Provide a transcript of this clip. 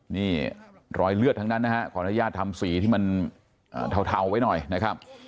นี่รอยเลือดทั้งนั้นนะฮะขออนุญาตทำสีที่มันเทาไว้หน่อยนะครับ